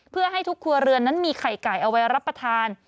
เพื่อให้ทุกครัวเรือนนั้นมีไข่ไก่เอาไว้รับประทาน